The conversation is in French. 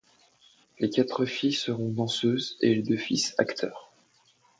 Les quatre filles seront danseuses et les deux fils acteurs.